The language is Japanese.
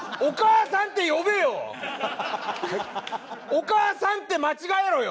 お母さんって間違えろよ！